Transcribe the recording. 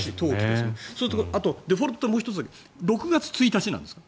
すると、デフォルトってもう１つ、６月１日なんですか？